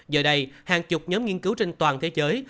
giờ đây hàng chục nhóm nghiên cứu trên toàn thế giới